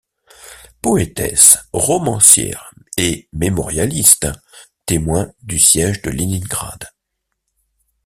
Poétesse, romancière et mémorialiste témoin du siège de Leningrad.